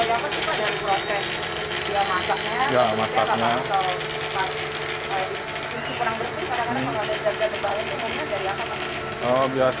maksudnya pak isi kurang bersih kadang kadang kalau ada tidak tidak tebal itu umumnya dari apa pak